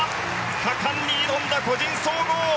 果敢に挑んだ個人総合。